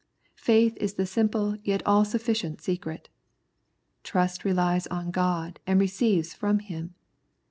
Faith is the simple yet all sufficient secret. Trust relies on God and receives from Him.